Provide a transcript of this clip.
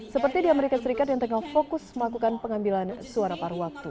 seperti di amerika serikat yang tengah fokus melakukan pengambilan suara paru waktu